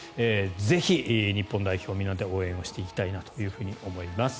ぜひ、日本代表みんなで応援していきたいなと思います。